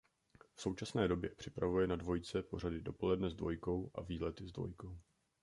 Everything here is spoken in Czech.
V současné době připravuje na Dvojce pořady "Dopoledne s Dvojkou" a "Výlety s Dvojkou".